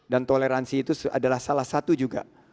dan toleransi itu adalah salah satu juga